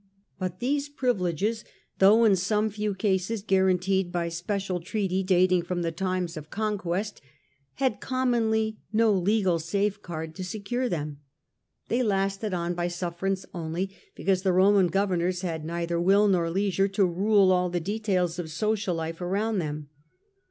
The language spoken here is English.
But these privileges, though in some few cases guaranteed by special treaty dating from the times of conquest, had commonly no legal safeguard to secure them ; they lasted on by sufferance only, because the Roman governors had neither will nor leisure to rule all the details of social life around them.